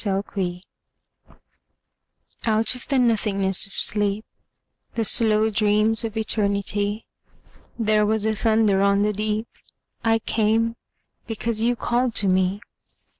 The Call Out of the nothingness of sleep, The slow dreams of Eternity, There was a thunder on the deep: I came, because you called to me.